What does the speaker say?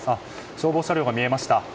消防車両が見えました。